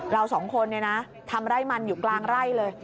เราสองคนเนี่ยนะทำไร่มันอยู่กลางไร่เลย